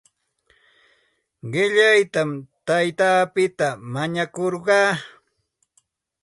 Qillaytam taytapita mañakurqaa.